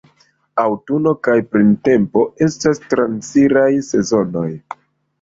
Aŭtuno kaj printempo estas transiraj sezonoj.